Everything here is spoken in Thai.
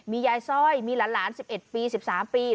มียายสร้อยมีหลาน๑๑ปี๑๓ปี